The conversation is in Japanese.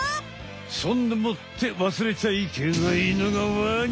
そんでもってわすれちゃいけないのがワニ！